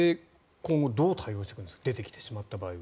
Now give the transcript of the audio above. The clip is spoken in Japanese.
今後どう対応していくんですか出てきてしまったら。